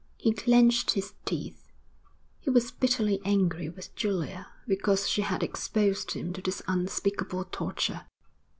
He clenched his teeth. He was bitterly angry with Julia because she had exposed him to this unspeakable torture.